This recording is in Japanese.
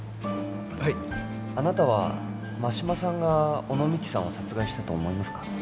はいあなたは真島さんが小野美希さんを殺害したと思いますか？